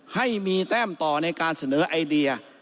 ให้มีแต้มต่อในการเสนอไอเดีย